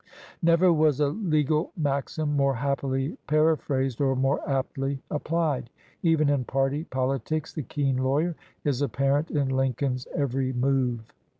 Never was a legal maxim more happily para phrased or more aptly applied. Even in party politics the keen lawyer is apparent in Lincoln's every move.